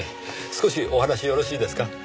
少しお話よろしいですか？